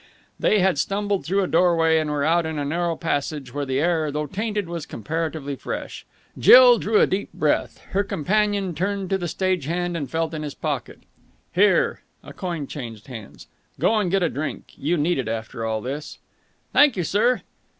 They had stumbled through a doorway and were out in a narrow passage, where the air, though tainted, was comparatively fresh. Jill drew a deep breath. Her companion turned to the stage hand and felt in his pocket. "Here." A coin changed hands. "Go and get a drink. You need it after all this." "Thank you, sir."